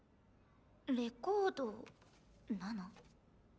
レコードなの？